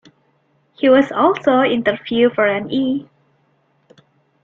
He was also interviewed for an E!